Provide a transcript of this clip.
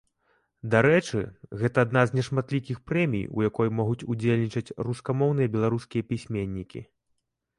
Дарэчы, гэта адна з нешматлікіх прэмій, у якой могуць удзельнічаць рускамоўныя беларускія пісьменнікі.